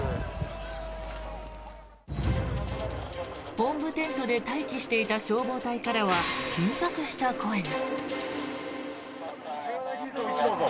本部テントで待機していた消防隊からは緊迫した声が。